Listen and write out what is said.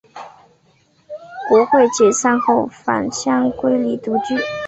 国会解散后返乡归里独居。